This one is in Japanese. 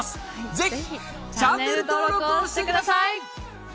ぜひチャンネル登録をしてください！